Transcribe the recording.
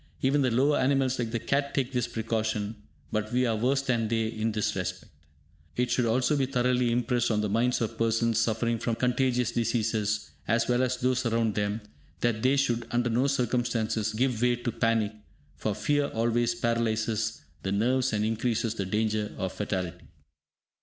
Even the lower animals like the cat take this precaution, but we are worse than they in this respect. It should also be thoroughly impressed on the minds of persons suffering from contagious diseases, as well as those around them, that they should, under no circumstances, give way to panic, for fear always paralyses the nerves and increases the danger of fatality.